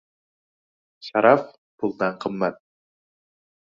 • Sharaf puldan qimmat.